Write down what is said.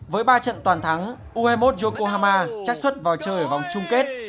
với ba trận toàn thắng u hai mươi một yokohama chắc xuất vào chơi ở vòng chung kết